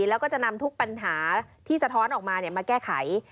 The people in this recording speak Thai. แล้วก็จะนำทุกปัญหาที่สะท้อนออกมามาแก้ไข